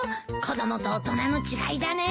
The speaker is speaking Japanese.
子供と大人の違いだね。